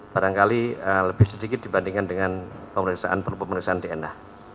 barangkali lebih sedikit dibandingkan dengan pembedasan perbedasan dna